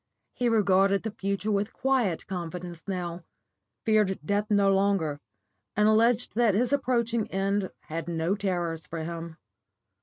He regarded the future with quiet confidence now, feared death no longer, and alleged that his approaching end had no terrors for him.